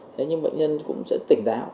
thế nhưng bệnh nhân cũng sẽ tỉnh đáo